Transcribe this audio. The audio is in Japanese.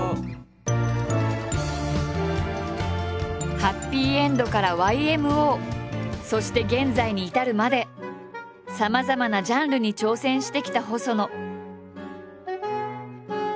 はっぴいえんどからＹМＯそして現在に至るまでさまざまなジャンルに挑戦してきた細野。